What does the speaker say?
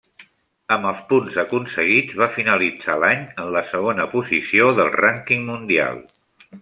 Amb els punts aconseguits va finalitzar l'any en la segona posició del rànquing mundial.